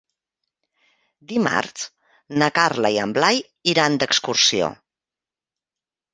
Dimarts na Carla i en Blai iran d'excursió.